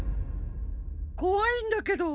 こわいんだけど。